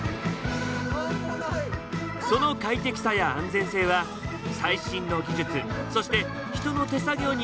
その快適さや安全性は最新の技術そして人の手作業によって支えられていました。